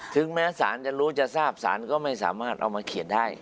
ถึงแม้สารจะรู้จะทราบสารก็ไม่สามารถเอามาเขียนได้